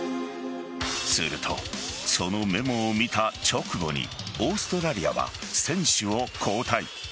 すると、そのメモを見た直後にオーストラリアは選手を交代。